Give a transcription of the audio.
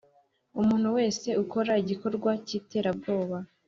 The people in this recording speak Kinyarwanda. Umuntu wese ukora igikorwa cy iterabwoba